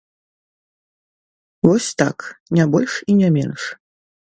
Вось так, не больш і не менш.